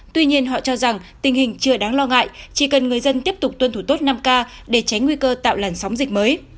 tuy nhiên họ cho rằng tình hình chưa đáng lo ngại chỉ cần người dân tiếp tục tuân thủ tốt năm k để tránh nguy cơ tạo làn sóng dịch mới